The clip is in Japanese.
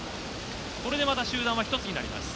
これでまた集団は一つになります。